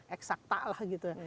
eksak tak lah gitu ya